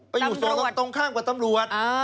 ไปอยู่ตรงต้องข้างตำรวด